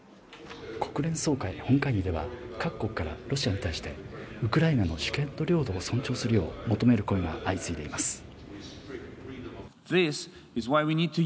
国連総会本会議では各国からロシアに対してウクライナの主権と領土を尊重するよう求める声が相次いでいます。